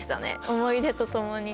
思い出とともに。